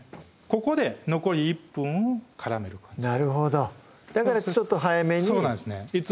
ここで残り１分を絡めるなるほどだからちょっと早めにそうなんですね